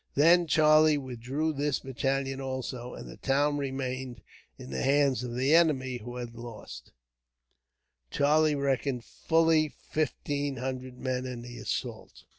Then Charlie withdrew this battalion also, and the town remained in the hands of the enemy; who had lost, Charlie reckoned, fully fifteen hundred men in the assault.